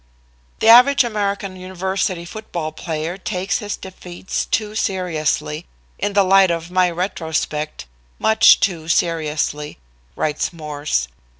"The average American university football player takes his defeats too seriously in the light of my retrospect much too seriously," writes Morse.